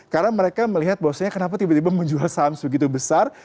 karena mereka melihat bahwasanya kenapa tiba tiba menjual saham begitu besar